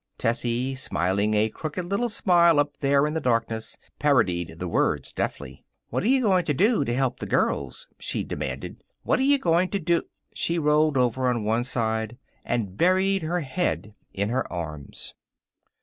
Tessie, smiling a crooked little smile up there in the darkness, parodied the words deftly: "What're you going to do to help the girls?" she demanded. "What're you going to do " She rolled over on one side and buried her head in her arms.